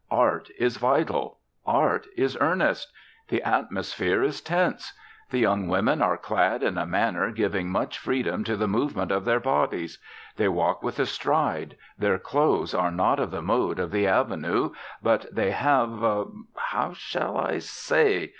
Art is vital. Art is earnest. The atmosphere is tense. The young women are clad in a manner giving much freedom to the movement of their bodies. They walk with a stride. Their clothes are not of the mode of the Avenue, but they have how shall I say?